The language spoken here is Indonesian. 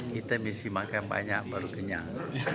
kita misi makan banyak baru kenyang